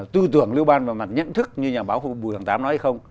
tư tưởng lưu ban về mặt nhận thức như nhà báo của bưởng tám nói hay không